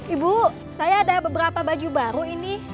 ibu saya ada beberapa baju baru ini